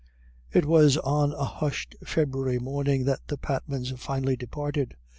It was on a hushed February morning that the Patmans finally departed.